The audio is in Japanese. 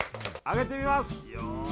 上げてみます！